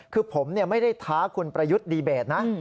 คือผมไม่ได้ท้าคุณประยุทธ์ดีเบตนะ